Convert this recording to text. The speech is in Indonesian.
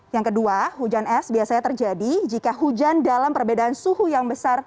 yang kedua hujan es biasanya terjadi jika hujan dalam perbedaan suhu yang besar